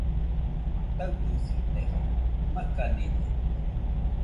Taɨbɨsitesa , makanide